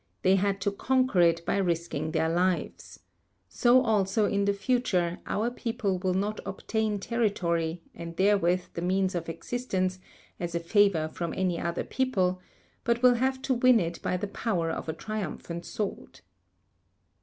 They had to conquer it by risking their lives. So also in the future, our people will not obtain territory, and therewith the means of existence, as a favor from any other people, but will have to win it by the power of a triumphant sword."